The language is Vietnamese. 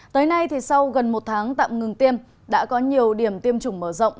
tới nay sau gần một tháng tạm ngừng tiêm đã có nhiều điểm tiêm chủng mở rộng